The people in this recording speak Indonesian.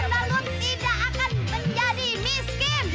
tidak akan menjadi miskin